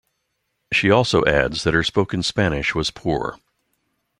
She also adds that her spoken Spanish was poor.